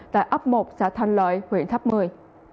tại ấp một xã thành lợi huyện tháp mươi